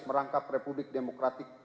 merangkap republik demokratik